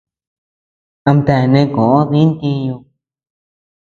Amtea neʼë koʼö dï ntiñu.